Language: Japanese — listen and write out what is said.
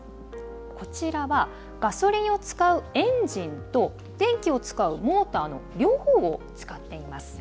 こちらはガソリンを使うエンジンと電気を使うモーターの両方を使っています。